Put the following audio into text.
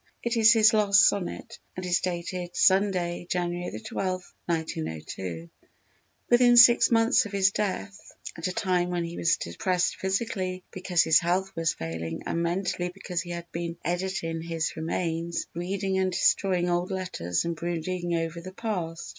It is his last Sonnet and is dated "Sund. Jan. 12th 1902," within six months of his death, at a time when he was depressed physically because his health was failing and mentally because he had been "editing his remains," reading and destroying old letters and brooding over the past.